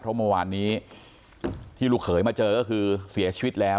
เพราะเมื่อวานนี้ที่ลูกเขยมาเจอก็คือเสียชีวิตแล้ว